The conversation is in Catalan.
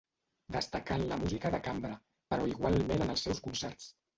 Destacà en la música de cambra, però igualment en els seus concerts.